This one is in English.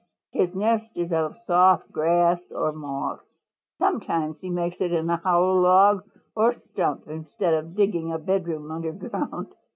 His nest is of soft grass or moss. Sometimes he makes it in a hollow log or stump instead of digging a bedroom under ground.